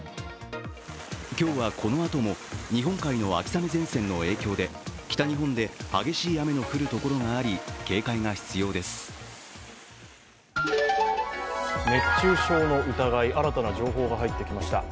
今日はこのあとも日本海の秋雨前線の影響で、北日本で激しい雨の降るところがあり、熱中症の疑い、新たな情報が入ってきました。